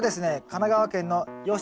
神奈川県。